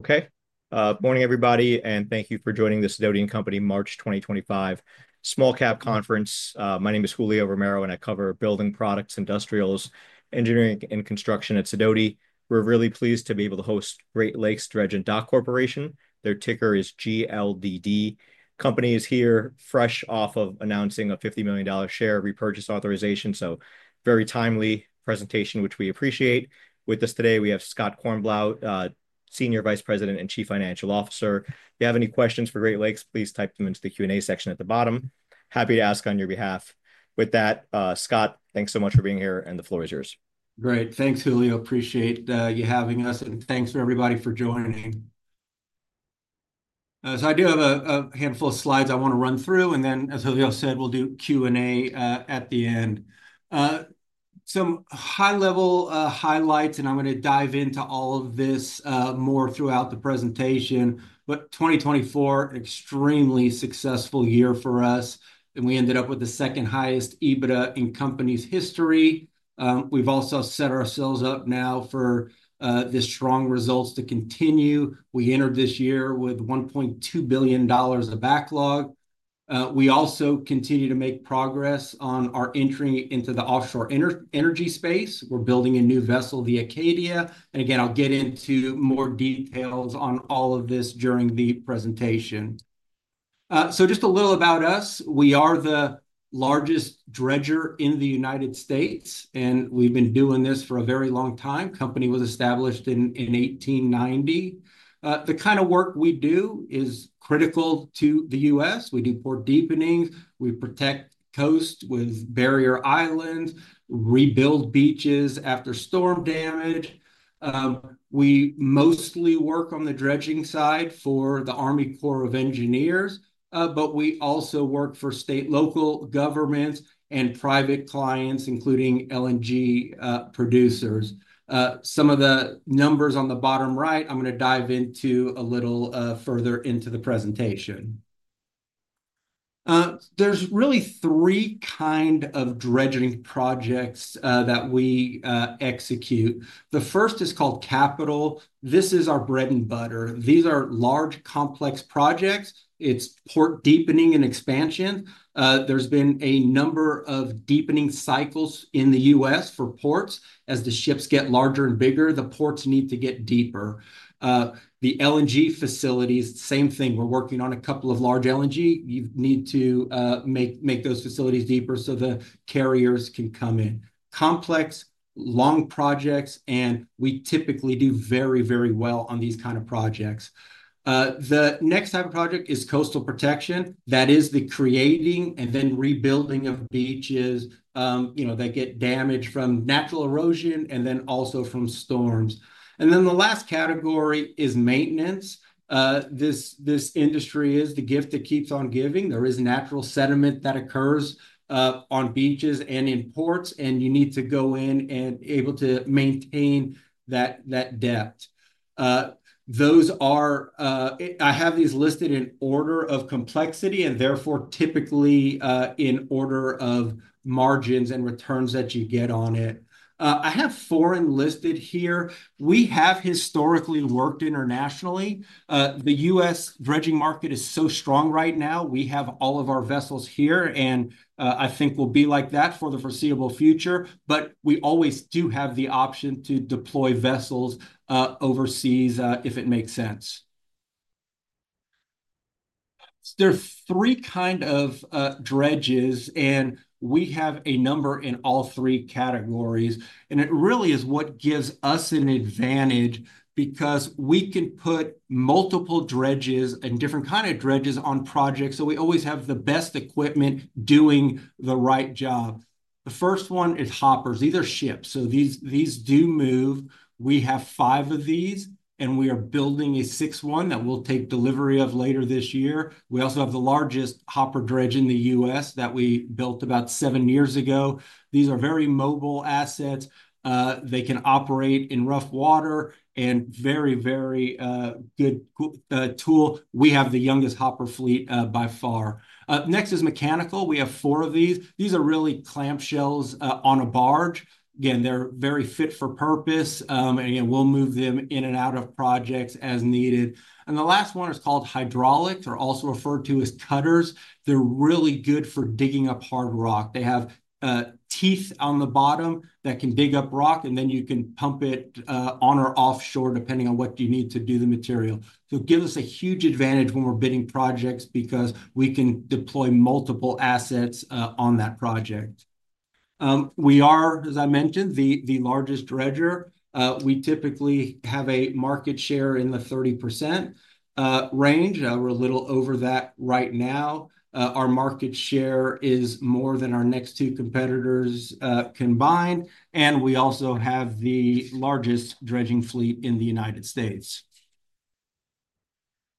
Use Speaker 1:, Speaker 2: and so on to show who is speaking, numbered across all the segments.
Speaker 1: Okay. Morning, everybody, and thank you for joining the Sidoti & Company March 2025 Small Cap Conference. My name is Julio Romero, and I cover building products, industrials, engineering, and construction at Sidoti. We're really pleased to be able to host Great Lakes Dredge & Dock Corporation. Their ticker is GLDD. The company is here fresh off of announcing a $50 million share repurchase authorization. Very timely presentation, which we appreciate. With us today, we have Scott Kornblau, Senior Vice President and Chief Financial Officer. If you have any questions for Great Lakes, please type them into the Q&A section at the bottom. Happy to ask on your behalf. With that, Scott, thanks so much for being here, and the floor is yours.
Speaker 2: Great. Thanks, Julio. Appreciate you having us, and thanks for everybody for joining. I do have a handful of slides I want to run through, and then, as Julio said, we'll do Q&A at the end. Some high-level highlights, and I'm going to dive into all of this more throughout the presentation. 2024, an extremely successful year for us, and we ended up with the second highest EBITDA in company's history. We've also set ourselves up now for the strong results to continue. We entered this year with $1.2 billion of backlog. We also continue to make progress on our entry into the offshore energy space. We're building a new vessel, the Acadia. Again, I'll get into more details on all of this during the presentation. Just a little about us. We are the largest dredger in the United States, and we've been doing this for a very long time. The company was established in 1890. The kind of work we do is critical to the U.S. We do port deepenings. We protect coasts with barrier islands, rebuild beaches after storm damage. We mostly work on the dredging side for the Army Corps of Engineers, but we also work for state and local governments and private clients, including LNG producers. Some of the numbers on the bottom right, I'm going to dive into a little further into the presentation. There's really three kinds of dredging projects that we execute. The first is called capital. This is our bread and butter. These are large, complex projects. It's port deepening and expansion. There's been a number of deepening cycles in the U.S. for ports. As the ships get larger and bigger, the ports need to get deeper. The LNG facilities, same thing. We're working on a couple of large LNG. You need to make those facilities deeper so the carriers can come in. Complex, long projects, and we typically do very, very well on these kinds of projects. The next type of project is coastal protection. That is the creating and then rebuilding of beaches, you know, that get damaged from natural erosion and then also from storms. The last category is maintenance. This industry is the gift that keeps on giving. There is natural sediment that occurs on beaches and in ports, and you need to go in and be able to maintain that depth. I have these listed in order of complexity and therefore typically in order of margins and returns that you get on it. I have foreign listed here. We have historically worked internationally. The U.S. dredging market is so strong right now. We have all of our vessels here, and I think we'll be like that for the foreseeable future, but we always do have the option to deploy vessels overseas if it makes sense. There are three kinds of dredges, and we have a number in all three categories. It really is what gives us an advantage because we can put multiple dredges and different kinds of dredges on projects, so we always have the best equipment doing the right job. The first one is hoppers, these are ships, so these do move. We have five of these, and we are building a sixth one that we'll take delivery of later this year. We also have the largest hopper dredge in the U.S. that we built about seven years ago. These are very mobile assets. They can operate in rough water and are a very, very good tool. We have the youngest hopper fleet by far. Next is mechanical. We have four of these. These are really clamshells on a barge. Again, they're very fit for purpose, and we move them in and out of projects as needed. The last one is called hydraulics, or also referred to as cutters. They're really good for digging up hard rock. They have teeth on the bottom that can dig up rock, and then you can pump it on or offshore depending on what you need to do with the material. It gives us a huge advantage when we're bidding projects because we can deploy multiple assets on that project. We are, as I mentioned, the largest dredger. We typically have a market share in the 30% range. We're a little over that right now. Our market share is more than our next two competitors combined, and we also have the largest dredging fleet in the United States.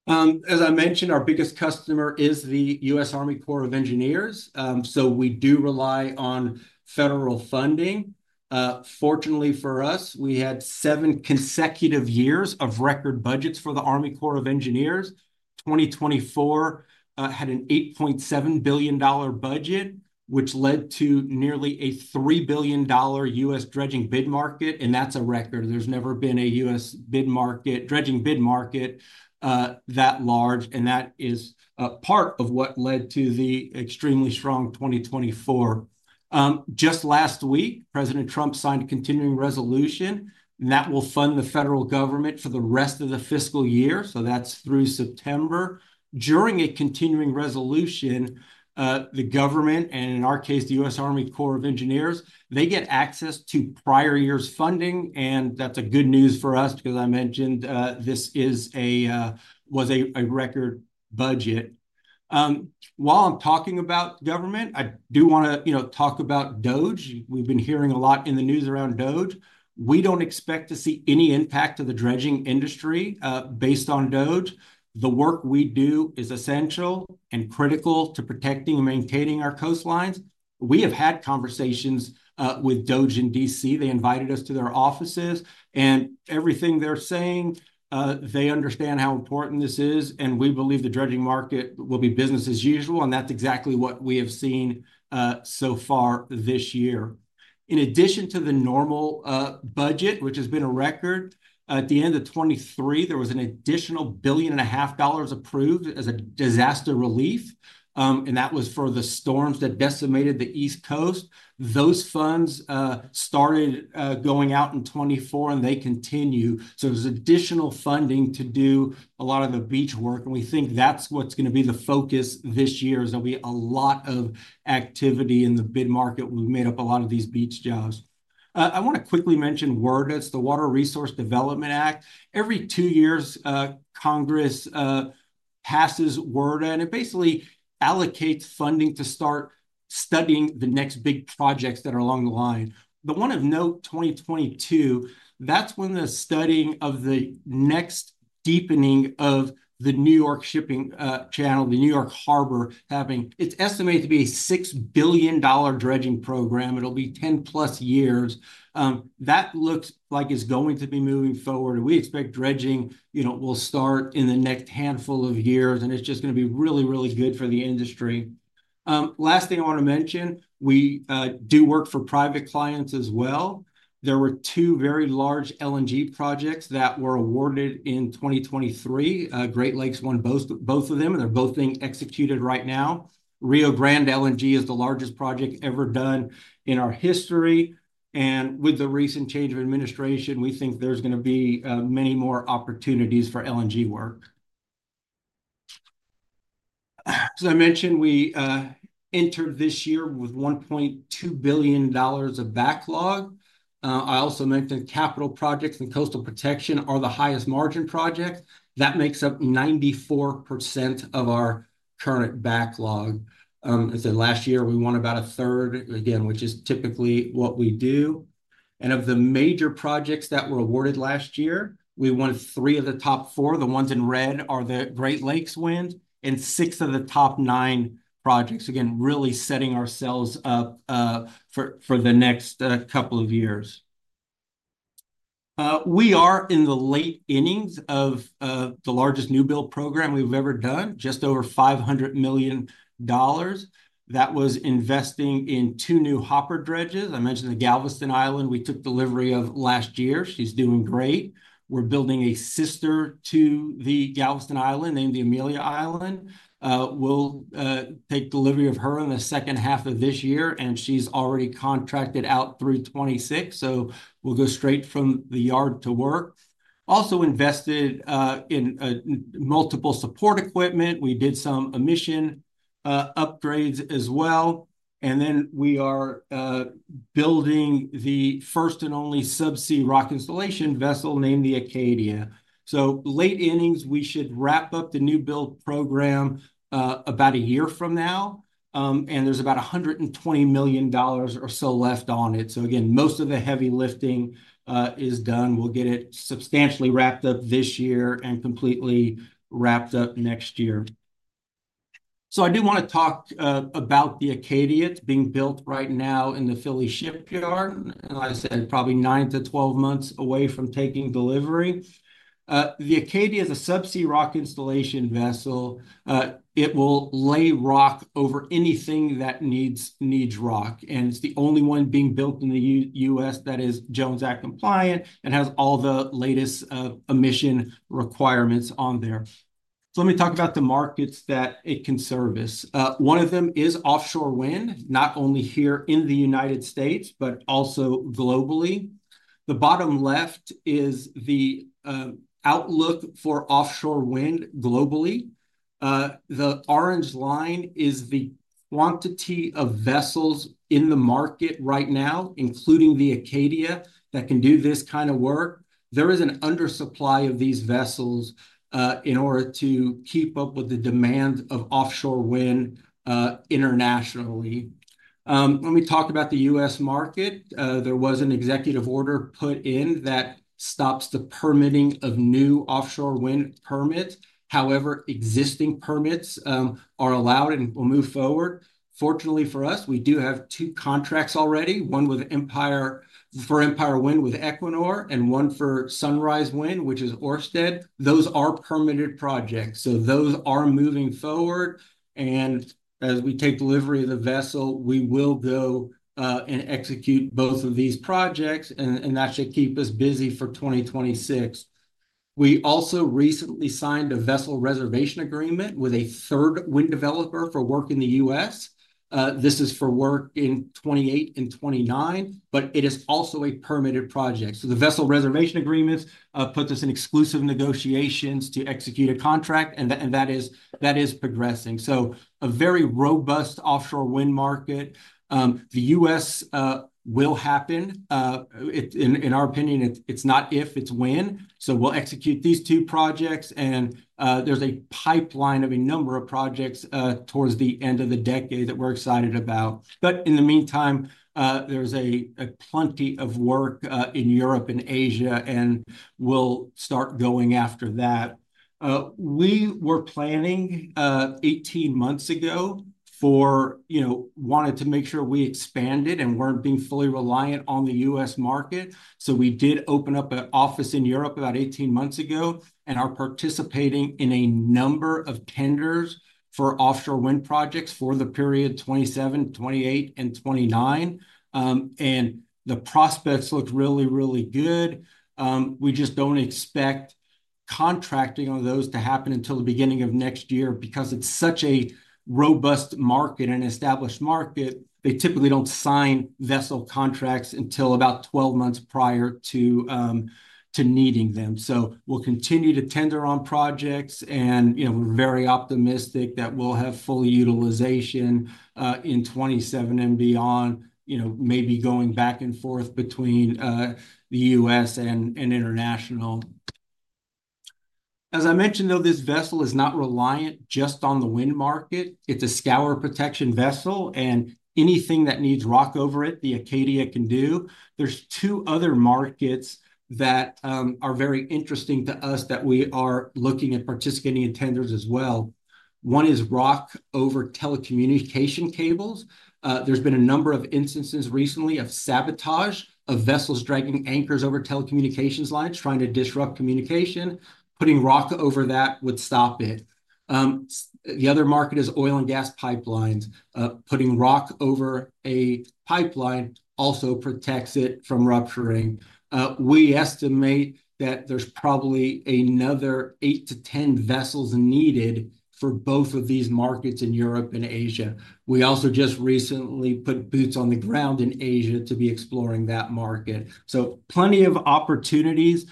Speaker 2: As I mentioned, our biggest customer is the U.S. Army Corps of Engineers, so we do rely on federal funding. Fortunately for us, we had seven consecutive years of record budgets for the Army Corps of Engineers. 2024 had an $8.7 billion budget, which led to nearly a $3 billion U.S. dredging bid market, and that's a record. There's never been a U.S. dredging bid market that large, and that is part of what led to the extremely strong 2024. Just last week, President Trump signed a continuing resolution, and that will fund the federal government for the rest of the fiscal year, so that's through September. During a continuing resolution, the government, and in our case, the U.S. Army Corps of Engineers, they get access to prior year's funding, and that's good news for us because I mentioned this was a record budget. While I'm talking about government, I do want to talk about DOGE. We've been hearing a lot in the news around DOGE. We don't expect to see any impact to the dredging industry based on DOGE. The work we do is essential and critical to protecting and maintaining our coastlines. We have had conversations with DOGE in D.C. They invited us to their offices, and everything they're saying, they understand how important this is, and we believe the dredging market will be business as usual, and that's exactly what we have seen so far this year. In addition to the normal budget, which has been a record, at the end of 2023, there was an additional $1.5 billion approved as a disaster relief, and that was for the storms that decimated the East Coast. Those funds started going out in 2024, and they continue. There is additional funding to do a lot of the beach work, and we think that is what is going to be the focus this year. There will be a lot of activity in the bid market. We have made up a lot of these beach jobs. I want to quickly mention WRDA, the Water Resources Development Act. Every two years, Congress passes WRDA, and it basically allocates funding to start studying the next big projects that are along the line. The one of note, 2022, that's when the studying of the next deepening of the New York shipping channel, the New York Harbor, is happening. It's estimated to be a $6 billion dredging program. It'll be 10-plus years. That looks like it's going to be moving forward. We expect dredging, you know, will start in the next handful of years, and it's just going to be really, really good for the industry. Last thing I want to mention, we do work for private clients as well. There were two very large LNG projects that were awarded in 2023. Great Lakes won both of them, and they're both being executed right now. Rio Grande LNG is the largest project ever done in our history, and with the recent change of administration, we think there's going to be many more opportunities for LNG work. As I mentioned, we entered this year with $1.2 billion of backlog. I also mentioned capital projects and coastal protection are the highest margin projects. That makes up 94% of our current backlog. I'd say last year we won about a third, again, which is typically what we do. Of the major projects that were awarded last year, we won three of the top four. The ones in red are the Great Lakes wins and six of the top nine projects. Again, really setting ourselves up for the next couple of years. We are in the late innings of the largest new build program we've ever done, just over $500 million. That was investing in two new hopper dredges. I mentioned the Galveston Island we took delivery of last year. She's doing great. We're building a sister to the Galveston Island, named the Amelia Island. We'll take delivery of her in the second half of this year, and she's already contracted out through 2026, so we'll go straight from the yard to work. Also invested in multiple support equipment. We did some emission upgrades as well. We are building the first and only subsea rock installation vessel named the Acadia. Late innings, we should wrap up the new build program about a year from now, and there's about $120 million or so left on it. Again, most of the heavy lifting is done. We'll get it substantially wrapped up this year and completely wrapped up next year. I do want to talk about the Acadia. It's being built right now in the Philly Shipyard, and like I said, probably 9-12 months away from taking delivery. The Acadia is a subsea rock installation vessel. It will lay rock over anything that needs rock, and it's the only one being built in the U.S. that is Jones Act compliant and has all the latest emission requirements on there. Let me talk about the markets that it can service. One of them is offshore wind, not only here in the United States, but also globally. The bottom left is the outlook for offshore wind globally. The orange line is the quantity of vessels in the market right now, including the Acadia, that can do this kind of work. There is an undersupply of these vessels in order to keep up with the demand of offshore wind internationally. Let me talk about the U.S. market. There was an executive order put in that stops the permitting of new offshore wind permits. However, existing permits are allowed and will move forward. Fortunately for us, we do have two contracts already, one for Empire Wind with Equinor and one for Sunrise Wind, which is Orsted. Those are permitted projects, so those are moving forward. As we take delivery of the vessel, we will go and execute both of these projects, and that should keep us busy for 2026. We also recently signed a vessel reservation agreement with a third wind developer for work in the U.S. This is for work in 2028 and 2029, but it is also a permitted project. The vessel reservation agreements put us in exclusive negotiations to execute a contract, and that is progressing. A very robust offshore wind market. The U.S. will happen. In our opinion, it's not if, it's when. We'll execute these two projects, and there's a pipeline of a number of projects towards the end of the decade that we're excited about. In the meantime, there's plenty of work in Europe and Asia, and we'll start going after that. We were planning 18 months ago for, you know, wanted to make sure we expanded and weren't being fully reliant on the U.S. market. We did open up an office in Europe about 18 months ago, and are participating in a number of tenders for offshore wind projects for the period 2027, 2028, and 2029. The prospects look really, really good. We just don't expect contracting on those to happen until the beginning of next year because it's such a robust market and established market. They typically don't sign vessel contracts until about 12 months prior to needing them. We'll continue to tender on projects, and you know, we're very optimistic that we'll have full utilization in 2027 and beyond, you know, maybe going back and forth between the U.S. and international. As I mentioned, though, this vessel is not reliant just on the wind market. It's a scour protection vessel, and anything that needs rock over it, the Acadia can do. There are two other markets that are very interesting to us that we are looking at participating in tenders as well. One is rock over telecommunication cables. There's been a number of instances recently of sabotage of vessels dragging anchors over telecommunications lines, trying to disrupt communication. Putting rock over that would stop it. The other market is oil and gas pipelines. Putting rock over a pipeline also protects it from rupturing. We estimate that there's probably another 8-10 vessels needed for both of these markets in Europe and Asia. We also just recently put boots on the ground in Asia to be exploring that market. Plenty of opportunities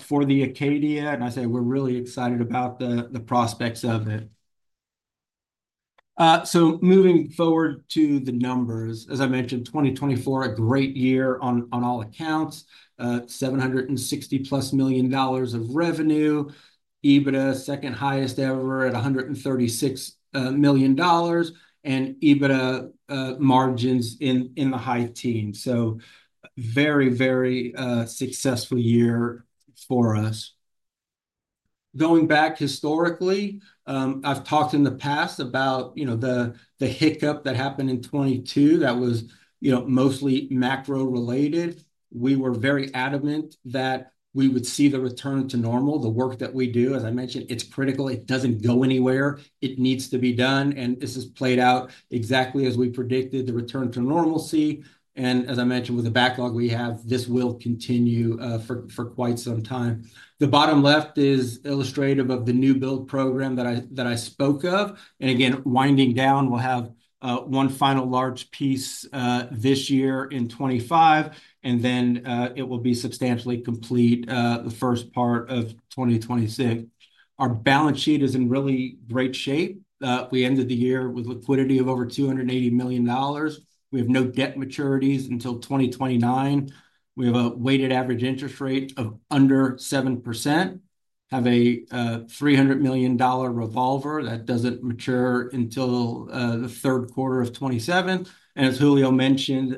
Speaker 2: for the Acadia, and I say we're really excited about the prospects of it. Moving forward to the numbers, as I mentioned, 2024, a great year on all accounts, $760 million-plus of revenue, EBITDA second highest ever at $136 million, and EBITDA margins in the high teens. Very, very successful year for us. Going back historically, I've talked in the past about, you know, the hiccup that happened in 2022 that was, you know, mostly macro-related. We were very adamant that we would see the return to normal. The work that we do, as I mentioned, it's critical. It doesn't go anywhere. It needs to be done, and this has played out exactly as we predicted the return to normalcy. As I mentioned, with the backlog we have, this will continue for quite some time. The bottom left is illustrative of the new build program that I spoke of. Again, winding down, we'll have one final large piece this year in 2025, and then it will be substantially complete the first part of 2026. Our balance sheet is in really great shape. We ended the year with liquidity of over $280 million. We have no debt maturities until 2029. We have a weighted average interest rate of under 7%. We have a $300 million revolver that doesn't mature until the third quarter of 2027. As Julio mentioned,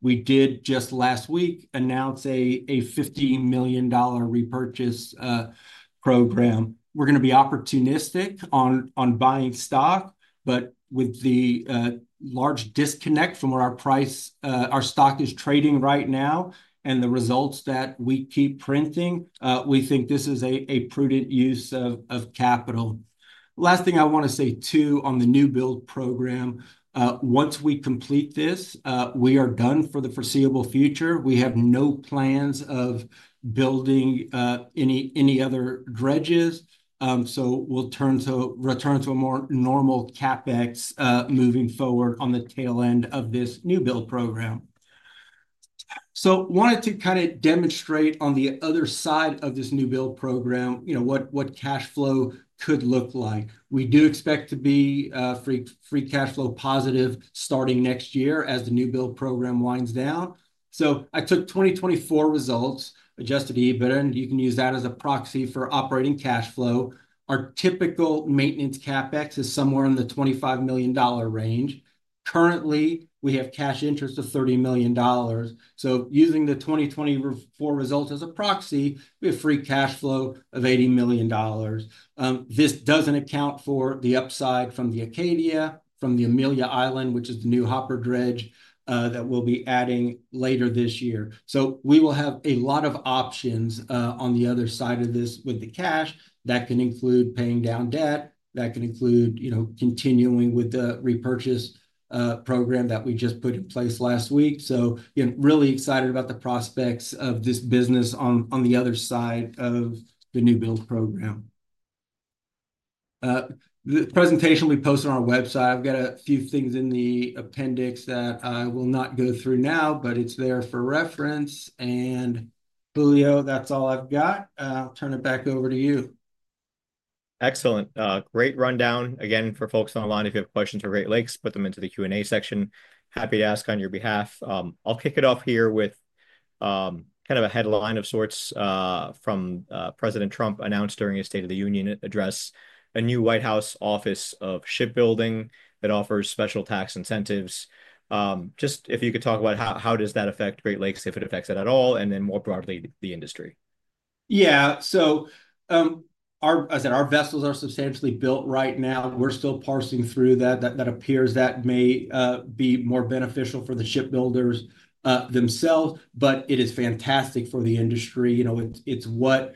Speaker 2: we did just last week announce a $50 million repurchase program. We're going to be opportunistic on buying stock, but with the large disconnect from where our stock is trading right now and the results that we keep printing, we think this is a prudent use of capital. Last thing I want to say too on the new build program, once we complete this, we are done for the foreseeable future. We have no plans of building any other dredges, so we'll return to a more normal CapEx moving forward on the tail end of this new build program. I wanted to kind of demonstrate on the other side of this new build program, you know, what cash flow could look like. We do expect to be free cash flow positive starting next year as the new build program winds down. I took 2024 results, adjusted EBITDA, and you can use that as a proxy for operating cash flow. Our typical maintenance CapEx is somewhere in the $25 million range. Currently, we have cash interest of $30 million. Using the 2024 results as a proxy, we have free cash flow of $80 million. This does not account for the upside from the Acadia, from the Amelia Island, which is the new hopper dredge that we will be adding later this year. We will have a lot of options on the other side of this with the cash. That can include paying down debt. That can include, you know, continuing with the repurchase program that we just put in place last week. You know, really excited about the prospects of this business on the other side of the new build program. The presentation we post on our website, I have got a few things in the appendix that I will not go through now, but it is there for reference. Julio, that's all I've got. I'll turn it back over to you.
Speaker 1: Excellent. Great rundown. Again, for folks online, if you have questions for Great Lakes, put them into the Q&A section. Happy to ask on your behalf. I'll kick it off here with kind of a headline of sorts from President Trump announced during his State of the Union address, a new White House Office of Shipbuilding that offers special tax incentives. Just if you could talk about how does that affect Great Lakes, if it affects it at all, and then more broadly the industry.
Speaker 2: Yeah. Our vessels are substantially built right now. We're still parsing through that. That appears that may be more beneficial for the shipbuilders themselves, but it is fantastic for the industry. You know, it's what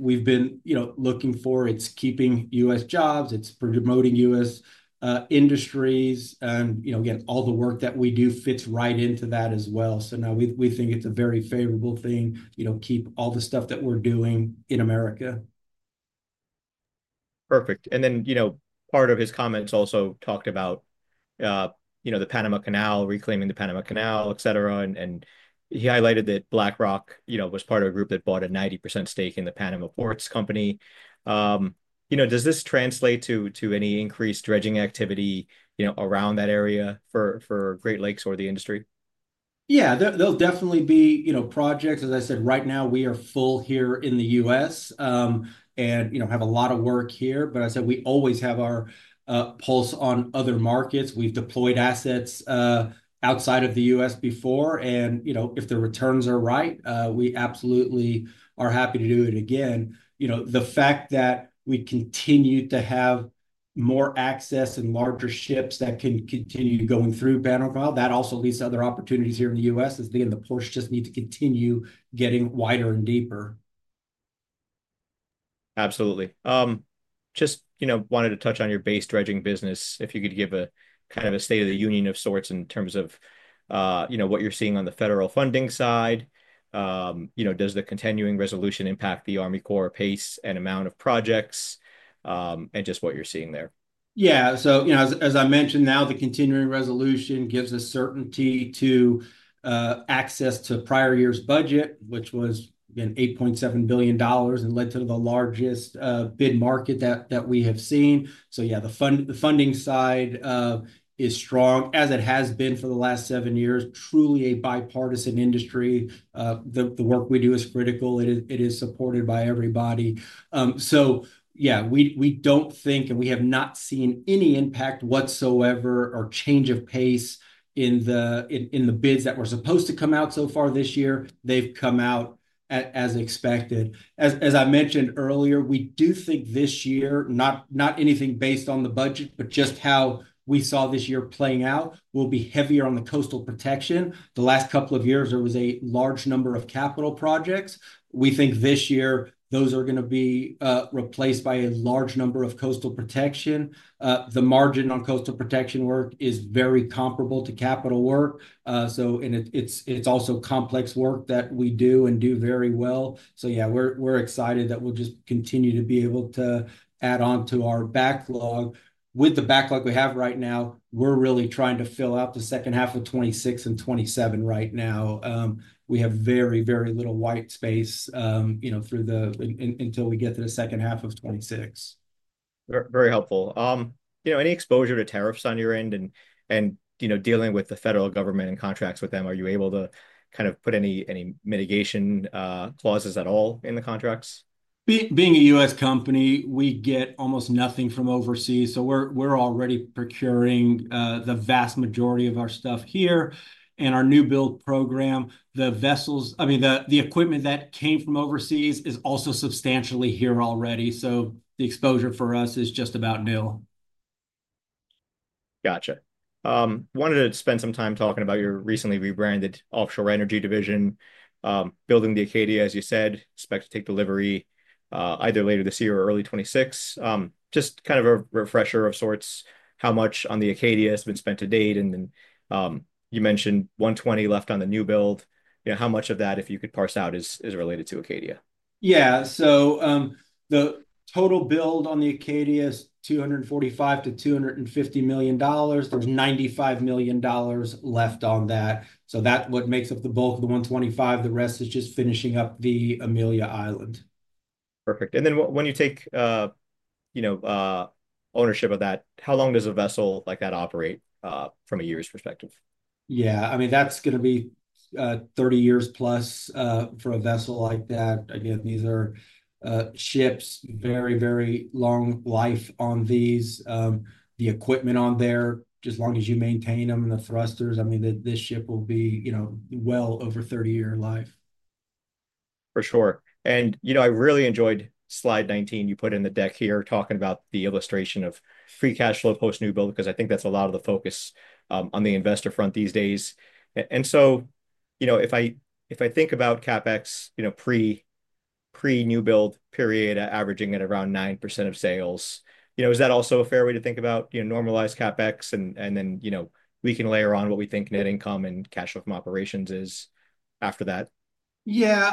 Speaker 2: we've been, you know, looking for. It's keeping U.S. jobs. It's promoting U.S. industries. You know, again, all the work that we do fits right into that as well. No, we think it's a very favorable thing, you know, keep all the stuff that we're doing in America.
Speaker 1: Perfect. You know, part of his comments also talked about, you know, the Panama Canal, reclaiming the Panama Canal, et cetera. He highlighted that BlackRock, you know, was part of a group that bought a 90% stake in the Panama Ports Company. You know, does this translate to any increased dredging activity, you know, around that area for Great Lakes or the industry?
Speaker 2: Yeah, there'll definitely be, you know, projects. As I said, right now we are full here in the U.S. and, you know, have a lot of work here. I said we always have our pulse on other markets. We've deployed assets outside of the U.S. before. You know, if the returns are right, we absolutely are happy to do it again. The fact that we continue to have more access and larger ships that can continue going through Panama Canal, that also leads to other opportunities here in the U.S. The ports just need to continue getting wider and deeper.
Speaker 1: Absolutely. Just wanted to touch on your base dredging business. If you could give a kind of a State of the Union of sorts in terms of what you're seeing on the federal funding side. Does the continuing resolution impact the Army Corps pace and amount of projects and just what you're seeing there? Yeah.
Speaker 2: As I mentioned, now the continuing resolution gives us certainty to access to prior year's budget, which was, again, $8.7 billion and led to the largest bid market that we have seen. Yeah, the funding side is strong as it has been for the last seven years. Truly a bipartisan industry. The work we do is critical. It is supported by everybody. Yeah, we don't think, and we have not seen any impact whatsoever or change of pace in the bids that were supposed to come out so far this year. They've come out as expected. As I mentioned earlier, we do think this year, not anything based on the budget, but just how we saw this year playing out, will be heavier on the coastal protection. The last couple of years, there was a large number of capital projects. We think this year those are going to be replaced by a large number of coastal protection. The margin on coastal protection work is very comparable to capital work. It is also complex work that we do and do very well. Yeah, we're excited that we'll just continue to be able to add on to our backlog. With the backlog we have right now, we're really trying to fill out the second half of 2026 and 2027 right now. We have very, very little white space, you know, through until we get to the second half of 2026.
Speaker 1: Very helpful. You know, any exposure to tariffs on your end and, you know, dealing with the federal government and contracts with them, are you able to kind of put any mitigation clauses at all in the contracts?
Speaker 2: Being a U.S. company, we get almost nothing from overseas. We're already procuring the vast majority of our stuff here. And our new build program, the vessels, I mean, the equipment that came from overseas is also substantially here already. The exposure for us is just about nil. Gotcha. Wanted to spend some time talking about your recently rebranded offshore energy division, building the Acadia, as you said, expect to take delivery either later this year or early 2026. Just kind of a refresher of sorts, how much on the Acadia has been spent to date. And then you mentioned $120 million left on the new build. You know, how much of that, if you could parse out, is related to Acadia? Yeah. The total build on the Acadia is $245 million-$250 million. There's $95 million left on that. That's what makes up the bulk of the $125 million. The rest is just finishing up the Amelia Island.
Speaker 1: Perfect. And then when you take, you know, ownership of that, how long does a vessel like that operate from a year's perspective?
Speaker 2: Yeah. I mean, that's going to be 30 years plus for a vessel like that. Again, these are ships, very, very long life on these. The equipment on there, just as long as you maintain them and the thrusters, I mean, this ship will be, you know, well over 30-year life.
Speaker 1: For sure. And, you know, I really enjoyed slide 19 you put in the deck here talking about the illustration of free cash flow post-new build because I think that's a lot of the focus on the investor front these days. If I think about CapEx, you know, pre-new build period, averaging at around 9% of sales, you know, is that also a fair way to think about, you know, normalized CapEx and then, you know, we can layer on what we think net income and cash flow from operations is after that?
Speaker 2: Yeah.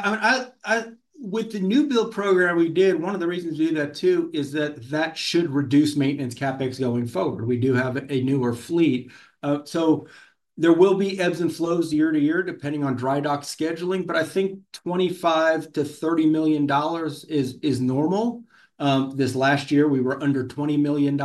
Speaker 2: I mean, with the new build program we did, one of the reasons we did that too is that that should reduce maintenance CapEx going forward. We do have a newer fleet. There will be ebbs and flows year to year depending on dry dock scheduling, but I think $25-$30 million is normal. This last year, we were under $20 million.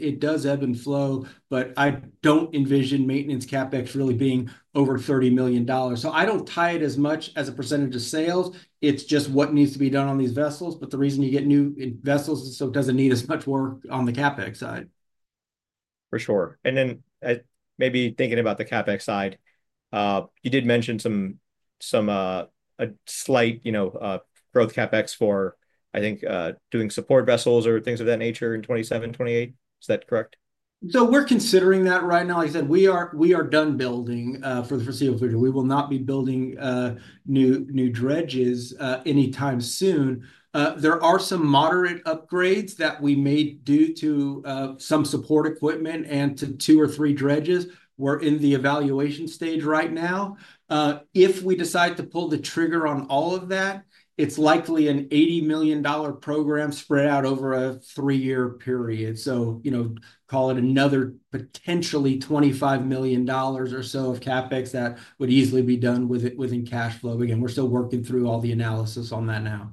Speaker 2: It does ebb and flow, but I do not envision maintenance CapEx really being over $30 million. I don't tie it as much as a percentage of sales. It's just what needs to be done on these vessels. The reason you get new vessels is so it doesn't need as much work on the CapEx side.
Speaker 1: For sure. Maybe thinking about the CapEx side, you did mention some slight, you know, growth CapEx for, I think, doing support vessels or things of that nature in 2027, 2028. Is that correct?
Speaker 2: We are considering that right now. Like I said, we are done building for the foreseeable future. We will not be building new dredges anytime soon. There are some moderate upgrades that we may do to some support equipment and to two or three dredges. We're in the evaluation stage right now. If we decide to pull the trigger on all of that, it's likely an $80 million program spread out over a three-year period. You know, call it another potentially $25 million or so of CapEx that would easily be done within cash flow. Again, we're still working through all the analysis on that now.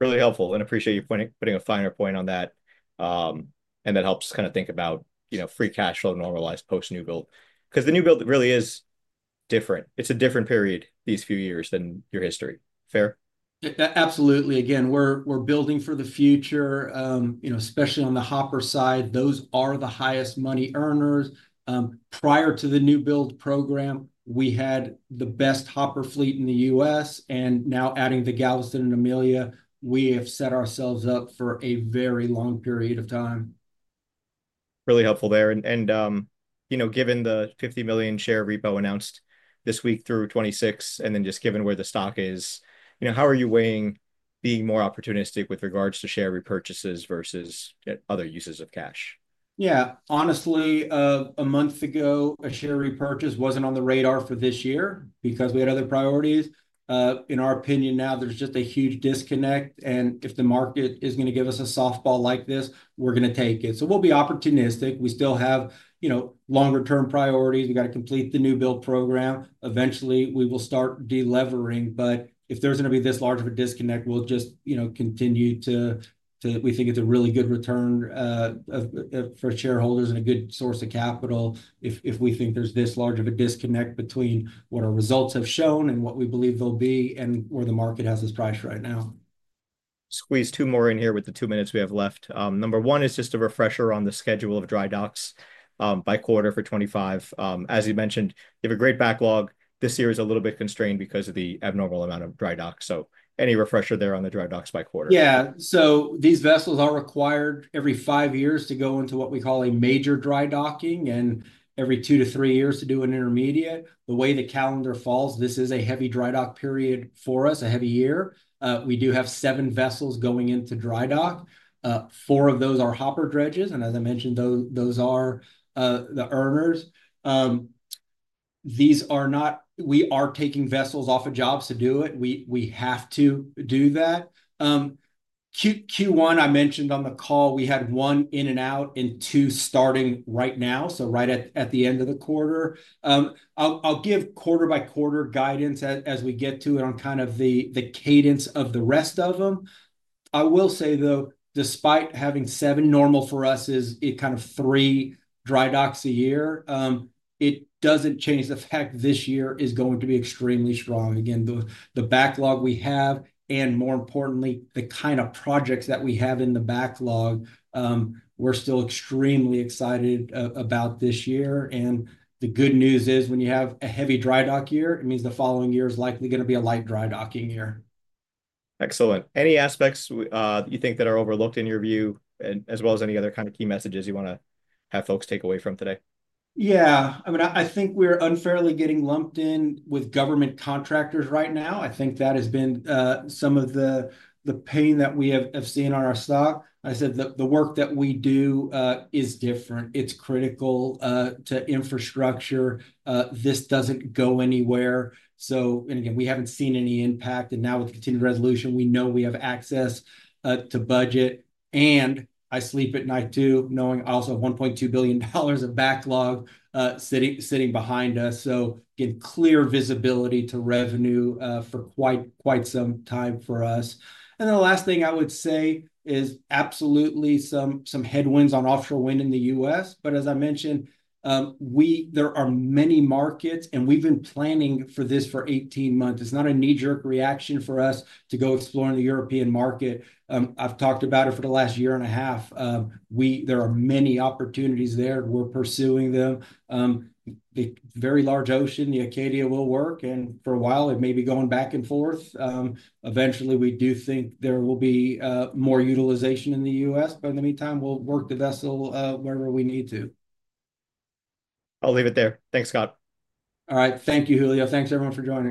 Speaker 1: Really helpful. I appreciate you putting a finer point on that. That helps kind of think about, you know, free cash flow normalized post-new build. Because the new build really is different. It's a different period these few years than your history. Fair?
Speaker 2: Absolutely. Again, we're building for the future, you know, especially on the hopper side. Those are the highest money earners. Prior to the new build program, we had the best hopper fleet in the U.S. Now adding the Galveston and Amelia, we have set ourselves up for a very long period of time.
Speaker 1: Really helpful there. And, you know, given the $50 million share repo announced this week through 2026, and then just given where the stock is, you know, how are you weighing being more opportunistic with regards to share repurchases versus other uses of cash?
Speaker 2: Yeah. Honestly, a month ago, a share repurchase was not on the radar for this year because we had other priorities. In our opinion, now there is just a huge disconnect. If the market is going to give us a softball like this, we are going to take it. We will be opportunistic. We still have, you know, longer-term priorities. We have to complete the new build program. Eventually, we will start delevering. If there's going to be this large of a disconnect, we'll just, you know, continue to, we think it's a really good return for shareholders and a good source of capital if we think there's this large of a disconnect between what our results have shown and what we believe they'll be and where the market has its price right now.
Speaker 1: Squeeze two more in here with the two minutes we have left. Number one is just a refresher on the schedule of dry docks by quarter for 2025. As you mentioned, you have a great backlog. This year is a little bit constrained because of the abnormal amount of dry docks. Any refresher there on the dry docks by quarter? Yeah.
Speaker 2: These vessels are required every five years to go into what we call a major dry docking and every two to three years to do an intermediate. The way the calendar falls, this is a heavy dry dock period for us, a heavy year. We do have seven vessels going into dry dock. Four of those are hopper dredges. As I mentioned, those are the earners. These are not, we are taking vessels off of jobs to do it. We have to do that. Q1, I mentioned on the call, we had one in and out and two starting right now, right at the end of the quarter. I'll give quarter-by-quarter guidance as we get to it on kind of the cadence of the rest of them. I will say, though, despite having seven, normal for us is kind of three dry docks a year. It doesn't change the fact this year is going to be extremely strong. Again, the backlog we have and more importantly, the kind of projects that we have in the backlog, we're still extremely excited about this year. The good news is when you have a heavy dry dock year, it means the following year is likely going to be a light dry docking year.
Speaker 1: Excellent. Any aspects you think that are overlooked in your view, as well as any other kind of key messages you want to have folks take away from today?
Speaker 2: Yeah. I mean, I think we're unfairly getting lumped in with government contractors right now. I think that has been some of the pain that we have seen on our stock. I said the work that we do is different. It's critical to infrastructure. This doesn't go anywhere. We haven't seen any impact. Now with the continuing resolution, we know we have access to budget. I sleep at night too, knowing also $1.2 billion of backlog sitting behind us. That gives clear visibility to revenue for quite some time for us. The last thing I would say is absolutely some headwinds on offshore wind in the U.S. As I mentioned, there are many markets and we've been planning for this for 18 months. It's not a knee-jerk reaction for us to go exploring the European market. I've talked about it for the last year and a half. There are many opportunities there. We're pursuing them. In the very large ocean, the Acadia will work. For a while, it may be going back and forth. Eventually, we do think there will be more utilization in the U.S. In the meantime, we'll work the vessel wherever we need to.
Speaker 1: I'll leave it there. Thanks, Scott.
Speaker 2: All right. Thank you, Julio. Thanks everyone for joining.